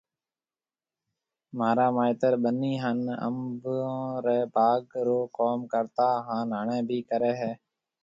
مهارآ مائيتر ٻنِي هانَ انڀو ري باگ رو ڪم ڪرتا هانَ هڻي بهيَ ڪري هيَ۔